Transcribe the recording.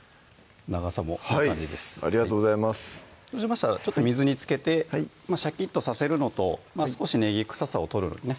長さもいい感じですありがとうございますそうしましたら水につけてシャキッとさせるのと少しねぎ臭さを取るのにね